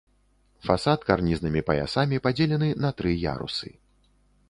Фасад карнізнымі паясамі падзелены на тры ярусы.